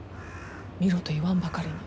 見ろと言わんばかりに。